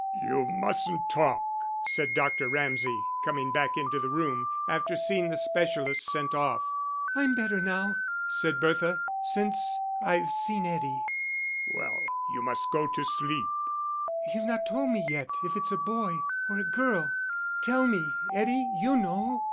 "You mustn't talk," said Dr. Ramsay, coming back into the room, after seeing the specialist sent off. "I'm better now," said Bertha, "since I've seen Eddie." "Well, you must go to sleep." "You've not told me yet if it's a boy or a girl; tell me, Eddie, you know."